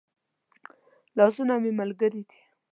لاسونه مو ملګري دي